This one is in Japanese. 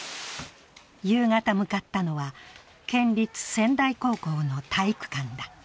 夕方向かったのは県立川内高校の体育館だ。